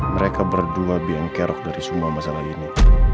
mereka berdua biang kerok dari semua masalah ini